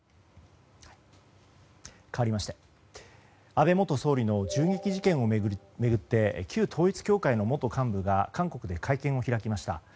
かわりまして安倍元総理の銃撃事件を巡って旧統一教会の元幹部が韓国で会見を開きました。